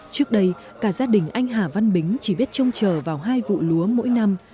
trước đây cả gia đình anh hà văn bính chỉ biết trông chờ vào hai vụ lúa mỗi năm